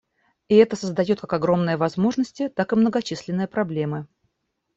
И это создает как огромные возможности, так и многочисленные проблемы.